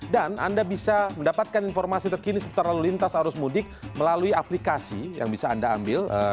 anda bisa mendapatkan informasi terkini seputar lalu lintas arus mudik melalui aplikasi yang bisa anda ambil